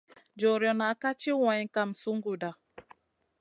Joriona ka tchi wayn kam sunguda.